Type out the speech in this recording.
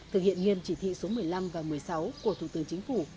thực hiện nghiêm chỉ thị số một mươi năm và một mươi sáu của thủ tướng chính phủ